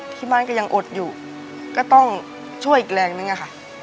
ที่บ้านก็ยังอดอยู่ก็ต้องช่วยอีกแรงนึงอะค่ะ